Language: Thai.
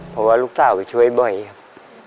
เพราะว่าลูกสาวไปช่วยบ่อยครับ